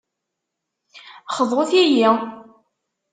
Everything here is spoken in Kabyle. Xḍut-yi!